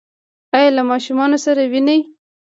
ایا له ماشومانو سره وینئ؟